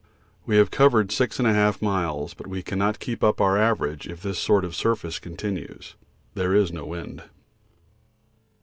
We have covered 6 1/2 miles, but we cannot keep up our average if this sort of surface continues. There is no wind.